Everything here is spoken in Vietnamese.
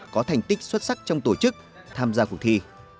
có thành tích xuất sắc trong tổ chức tham gia cuộc thi